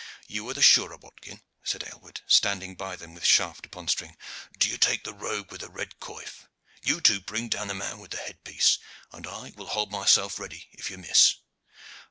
"You are the surer, Watkin," said Aylward, standing by them with shaft upon string. "Do you take the rogue with the red coif. You two bring down the man with the head piece, and I will hold myself ready if you miss.